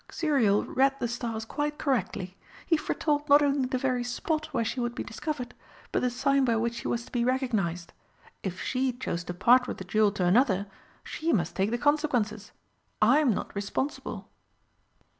"Xuriel read the stars quite correctly. He foretold not only the very spot where she would be discovered, but the sign by which she was to be recognised. If she chose to part with the jewel to another, she must take the consequences. I'm not responsible!"